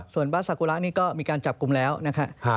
ส่วนบาซากุระนี่ก็มีการจับกลุ่มแล้วนะคะ